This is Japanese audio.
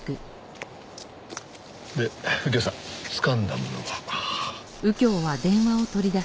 で右京さんつかんだものは？